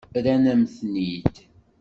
Rran-am-ten-id.